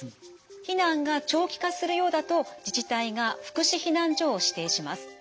避難が長期化するようだと自治体が福祉避難所を指定します。